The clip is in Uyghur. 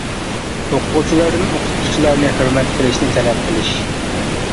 ئوقۇغۇچىلاردىن ئوقۇتقۇچىلارنى ھۆرمەت قىلىشنى تەلەپ قىلىش.